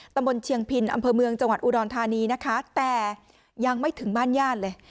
ตำบลเชียงพินอำเภอเมืองจังหวัดอุดรธานีนะคะแต่ยังไม่ถึงบ้านญาติเลย